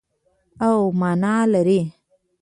او مانا لري.